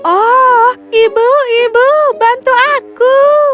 oh ibu ibu bantu aku